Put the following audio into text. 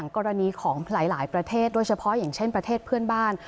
กรณีของหลายประเทศโดยเฉพาะอย่างเช่นประเทศเพื่อนบ้าน